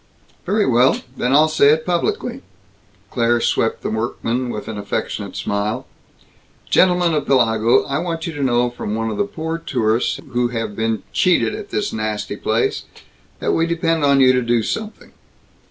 "Very well. Then I'll say it publicly!" Claire swept the workmen with an affectionate smile. "Gentlemen of Pellago, I want you to know from one of the poor tourists who have been cheated at this nasty place that we depend on you to do something.